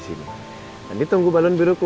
sini kita terus